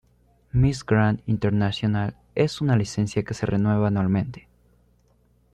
Miss Grand Internacional es una licencia que se renueva anualmente.